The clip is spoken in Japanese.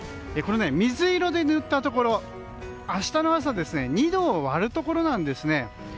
水色で塗ったところ、明日の朝２度を割るところなんですね。